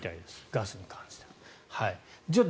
ガスに関しては。